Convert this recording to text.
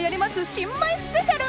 新米スペシャル！